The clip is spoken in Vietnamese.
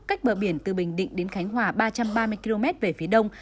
cách bờ biển từ bình định đến khánh hòa ba trăm ba mươi km về phía đông